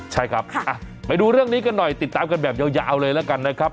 ใช่ครับไปดูเรื่องนี้กันหน่อยติดตามกันแบบยาวเลยแล้วกันนะครับ